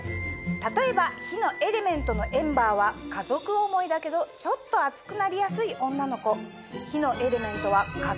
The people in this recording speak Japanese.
例えば火のエレメントのエンバーは家族思いだけどちょっと熱くなりやすい女の子。